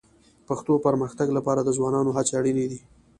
پښتو پرمختګ لپاره د ځوانانو هڅې اړیني دي